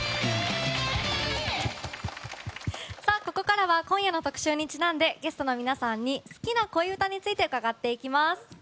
ここからは今夜の特集にちなんでゲストの皆さんに好きな恋うたについて伺っていきます。